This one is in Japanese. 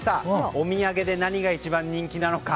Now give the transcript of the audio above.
お土産で何が一番人気なのか。